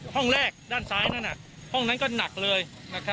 ห้องแรกด้านซ้ายนั่นห้องนั้นก็หนักเลย